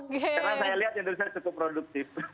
karena saya lihat indonesia cukup produktif